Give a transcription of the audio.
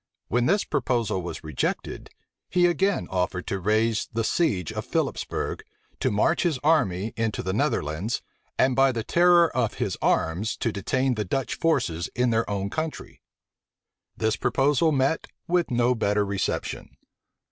When this proposal was rejected, he again offered to raise the siege of Philipsbourg, to march his army into the Netherlands, and by the terror of his arms to detain the Dutch forces in their own country. This proposal met with no better reception.